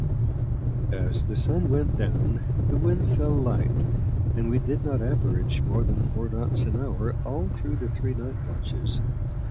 As the sun went down the wind fell light, and we did not average more than four knots an hour all through the three night watches.